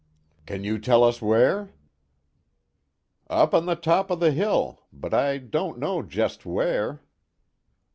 " Can you tell us where ?Up on the top of the hill, but I don't know just where.